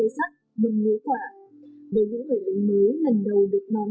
nhưng mới lần đầu được nắm